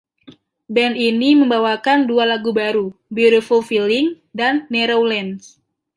Band ini membawakan dua lagu baru, "Beautiful Feeling" dan "Narrow Lanes".